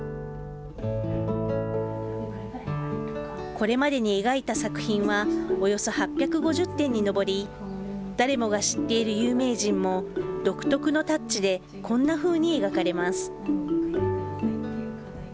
これまでに描いた作品は、およそ８５０点に上り、誰もが知っている有名人も独特のタッチでこんなふうに描かれます。